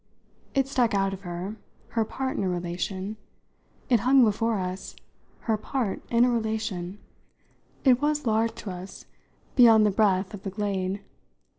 It stuck out of her, her part in a relation; it hung before us, her part in a relation; it was large to us beyond the breadth of the glade.